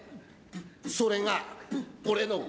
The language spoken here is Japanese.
それが俺の